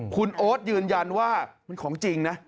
คุณโอ๊ตยืนยันว่ามันของจริงนะ